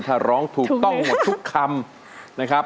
ถ้าร้องถูกต้องกว่าทุกคำ